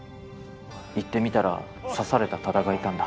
行ってみたら刺された多田がいたんだ。